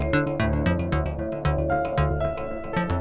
ternyata benar keisha ada disini